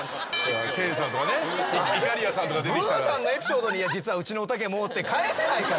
ブーさんのエピソードに「実はうちのおたけも」って返せないから。